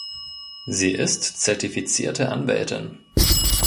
Sie ist zertifizierte Anwältin.